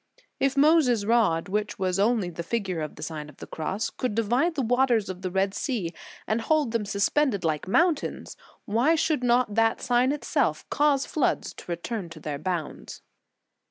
j If Moses rod, which was only the figure of the Sign of the Cross, could divide the waters o of the Red Sea and hold them suspended like mountains, why should not that sign itself cause floods to return to their bounds?